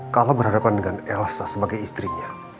kalau berhadapan dengan elsa sebagai istrinya